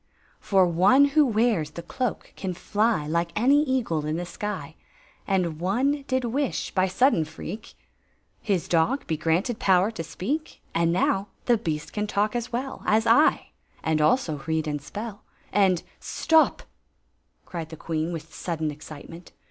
" For one who wears the doak can fly Like any eagle in the sky. And one did wish, by sudden freak. 14 2 Queen Zixi of Ix His dog be granted power to speak ; And now the beast can talk as well As I, and also read and ^IL And—" " Stop !" cried the queen, with sudden excitement.